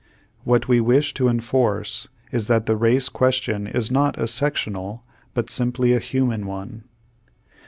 What we v.'ish to enforce is, that the race question is not a sectional, but simply a human one.